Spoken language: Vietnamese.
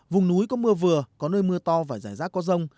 vùng núi có mưa vừa có nơi mưa to và rải rác có rông